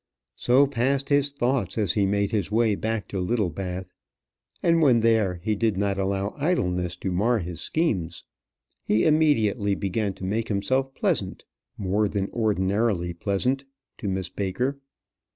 So passed his thoughts as he made his way back to Littlebath. And when there he did not allow idleness to mar his schemes. He immediately began to make himself pleasant more than ordinarily pleasant to Miss Baker.